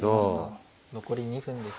残り２分です。